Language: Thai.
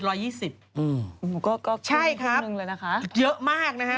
อืมก็คือ๑นึงเลยนะครับใช่ครับเยอะมากนะฮะ